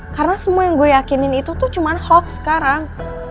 karena semua yang gue yakinin itu tuh cuma hoax sekarang